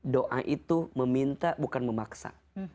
doa itu meminta bukan memaksa